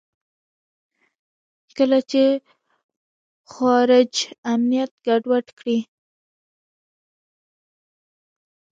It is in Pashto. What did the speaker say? کله چې خوارج امنیت ګډوډ کړي.